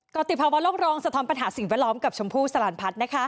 กรติภาวะโลกรองสะท้อนปัญหาสิ่งแวดล้อมกับชมพู่สลันพัฒน์นะคะ